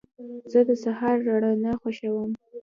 زه د سهار رڼا خوښوم.